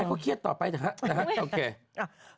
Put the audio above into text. ให้เขาเครียดต่อไปนะครับ